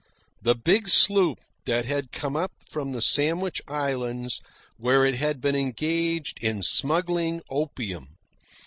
the big sloop that had come up from the Sandwich Islands where it had been engaged in smuggling opium.